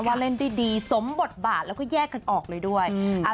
ว่าเล่นได้ดีสมบทบาทแล้วก็แยกกันออกเลยด้วย